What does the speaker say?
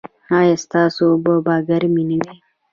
ایا ستاسو اوبه به ګرمې نه وي؟